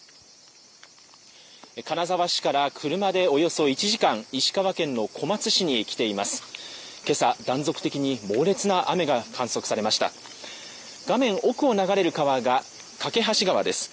金沢市から車でおよそ１時間、石川県の小松市に来ています。